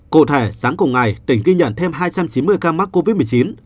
cụ thể sáng cùng ngày tỉnh ghi nhận thêm hai trăm chín mươi ca mắc covid một mươi chín